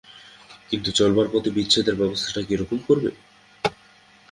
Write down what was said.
কিন্তু চলবার পথে বিচ্ছেদের ব্যবস্থাটা কিরকম করবে।